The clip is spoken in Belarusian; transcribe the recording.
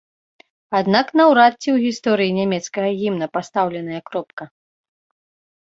Аднак наўрад ці ў гісторыі нямецкага гімна пастаўленая кропка.